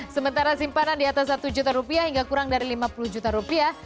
sementara simpanan di atas satu juta rupiah hingga kurang dari lima puluh juta rupiah